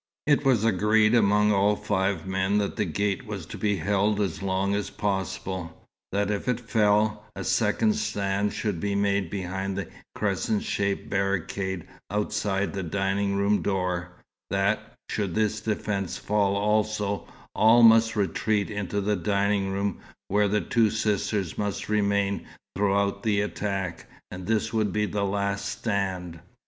It was agreed among all five men that the gate was to be held as long as possible; that if it fell, a second stand should be made behind the crescent shaped barricade outside the dining room door; that, should this defence fall also, all must retreat into the dining room, where the two sisters must remain throughout the attack; and this would be the last stand.